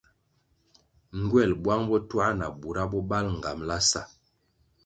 Ngywel buang botuah na bura bo bali nğambala sa.